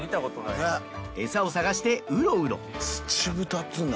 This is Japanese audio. エサを探してウロウロ。